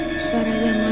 betapa penjaga di syduno